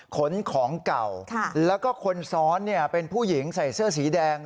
ขนของเก่าแล้วก็คนซ้อนเป็นผู้หญิงใส่เสื้อสีแดง